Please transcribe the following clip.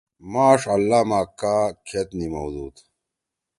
ماݜ اللّہ ما کاکھید نیمؤ دُود؟